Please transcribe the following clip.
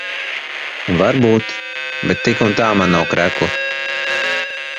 Varbūt. Bet tik un tā man nav krekla.